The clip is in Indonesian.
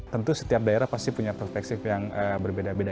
tentu setiap daerah pasti punya perspektif yang berbeda beda